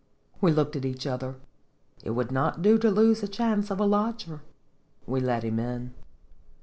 We looked at each other. It would not do to lose a chance of a lodger. We let him in.